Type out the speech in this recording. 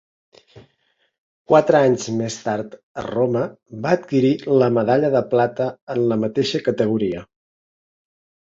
Quatre anys més tard a Roma va adquirir la medalla de plata en la mateixa categoria.